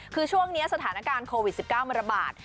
คือช่วงนี้สถานการณ์โควิด๑๙มันระบาด